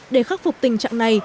để khắc phục tình trạng này